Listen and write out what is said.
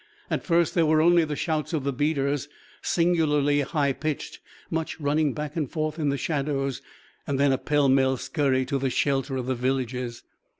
At first there were only the shouts of the beaters, singularly high pitched, much running back and forth in the shadows, and then a pell mell scurry to the shelter of the villages.